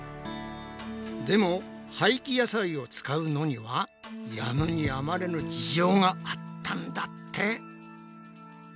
でも廃棄野菜を使うのにはやむにやまれぬ事情があったんだって！